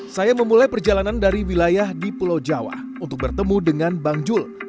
saya memulai perjalanan dari wilayah di pulau jawa untuk bertemu dengan bang jul